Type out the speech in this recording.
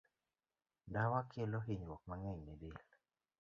Ndawa kelo hinyruok mang'eny ne del.